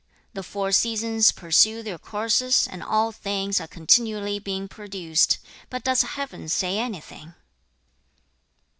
The four seasons pursue their courses, and all things are continually being produced, but does Heaven say anything?'